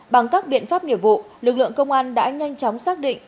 bằng các biện pháp nghiệp vụ lực lượng công an đã nhanh chóng xác định